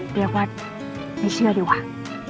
เรียกว่าไม่เชื่อดีกว่า